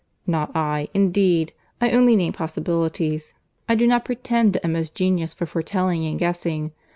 "Not I, indeed. I only name possibilities. I do not pretend to Emma's genius for foretelling and guessing.